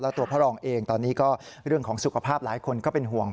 ตัวพ่อรองเองตอนนี้ก็เรื่องของสุขภาพหลายคนก็เป็นห่วง